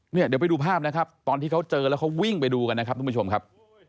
เดี๋ยวไปดูภาพนะครับตอนที่เขาเจอแล้วเขาวิ่งไปดูกันนะครับทุกผู้ชมครับ